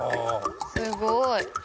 すごい！